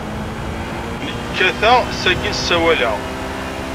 Nekk kkateɣ, sakkin ssawaleɣ.